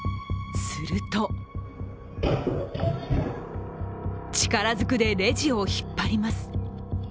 すると力づくでレジを引っ張ります。